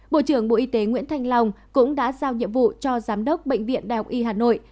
bộ trưởng bộ y tế nguyễn thanh long cũng đã giao nhiệm vụ cho giám đốc bệnh viện đại học y hà nội